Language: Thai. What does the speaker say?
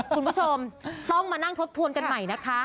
คุณผู้ชมต้องมานั่งทบทวนกันใหม่นะคะ